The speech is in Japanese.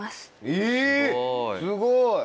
えすごい！